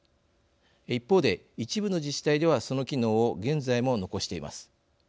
一方で、一部の自治体ではその機能を現在も残しています。